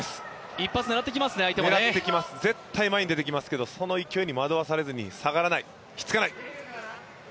一発狙ってきますね、相手も狙ってきます、絶対前に出てきますけど、その勢いに惑わされずにひっつかない。